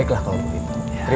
kalau kamu ingin v jeo